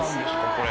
これ。